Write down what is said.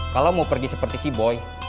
kalau mau pergi seperti si boy